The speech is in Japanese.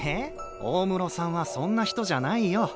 大室さんはそんな人じゃないよ。